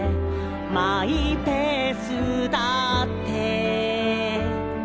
「マイペースだって」